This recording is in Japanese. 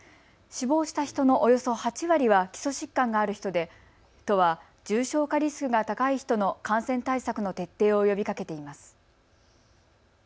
死亡した人のおよそ８割は基礎疾患がある人で都は重症化リスクが高い人の感染対策の徹底を呼びかけています。